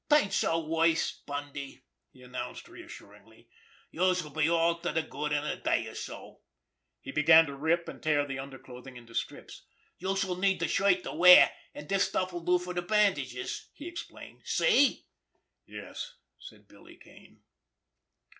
"'Tain't so worse, Bundy!" he announced reassuringly. "Youse'll be all to de good in a day or so." He began to rip and tear the underclothing into strips. "Youse'll need de shirt to wear, an' dis stuff'll do for de bandages," he explained. "See?" "Yes," said Billy Kane.